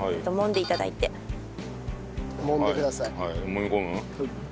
もみ込む？